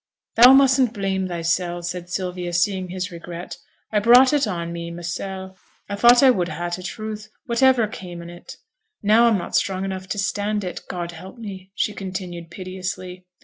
'Thou mustn't blame thysel',' said Sylvia, seeing his regret. 'I brought it on me mysel'; I thought I would ha' t' truth, whativer came on it, and now I'm not strong enough to stand it, God help me!' she continued, piteously.